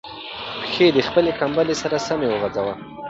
پښې د خپلې کمپلې سره سمې وغځوئ.